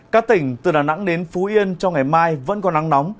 các tỉnh từ đà nẵng đến phú yên trong ngày mai vẫn có nắng nóng